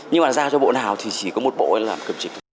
nhưng mà giao cho bộ nào thì chỉ có một bộ làm cập trình